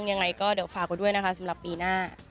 ยังไงก็เดี๋ยวฝากไว้ด้วยนะคะสำหรับปีหน้า